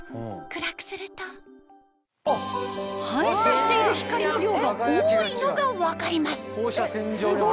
暗くすると反射している光の量が多いのが分かります